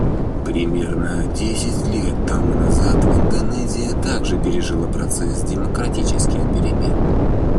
Примерно десять лет тому назад Индонезия также пережила процесс демократических перемен.